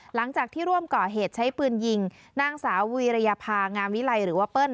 หลังจากที่ร่วมก่อเหตุใช้ปืนยิงนางสาววีรยภางามวิไลหรือว่าเปิ้ล